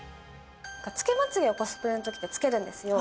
つけまつ毛をコスプレのときってつけるんですよ。